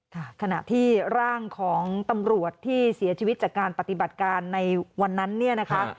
ขณะที่ร่างของตำรวจที่เสียชีวิตจากการปฏิบัติการในวันนั้นเนี่ยนะคะ